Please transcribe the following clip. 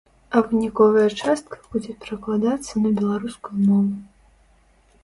А выніковая частка будзе перакладацца на беларускую мову.